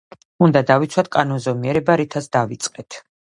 უნდა დავიცვათ კანონზომიერება რითაც დავიწყეთ.